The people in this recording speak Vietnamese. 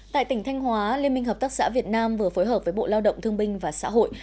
tại tỉnh thanh hóa liên minh hợp tác xã việt nam vừa phối hợp với bộ lao động thương binh và xã hội